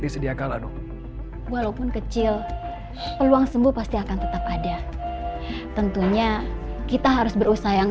disedia kalah dong walaupun kecil peluang sembuh pasti akan tetap ada tentunya kita harus berusaha yang